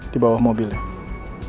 di bawah mobilnya